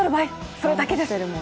それだけです。